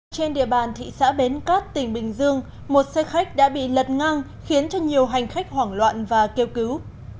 trên địa bàn thị xã bến cát tỉnh bình dương một xe khách đã bị lật ngang khiến cho nhiều hành khách hoảng loạn và kêu cứu